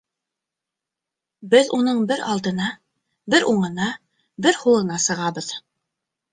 Беҙ уның бер алдына, бер уңына, бер һулына сығабыҙ.